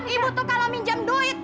ibu tuh kalau minjam duit